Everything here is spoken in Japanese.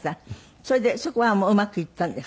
それでそこはうまくいったんです？